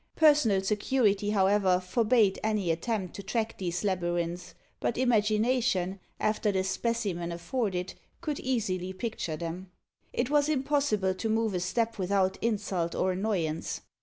Personal security, however, forbade any attempt to track these labyrinths; but imagination, after the specimen afforded, could easily picture them. It was impossible to move a step without insult or annoyance.